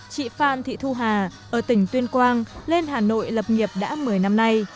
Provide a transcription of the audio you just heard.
chị phan thị thu hà ở tỉnh tuyên quang lên hà nội lập nghiệp đã một mươi năm nay